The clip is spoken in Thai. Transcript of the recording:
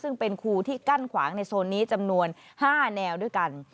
ซึ่งเป็นครูที่กั้นขวางในโซนนี้จำนวน๕แนวด้วยกัน